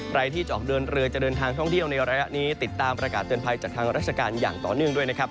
ใครที่จะออกเดินเรือจะเดินทางท่องเที่ยวในระยะนี้ติดตามประกาศเตือนภัยจากทางราชการอย่างต่อเนื่องด้วยนะครับ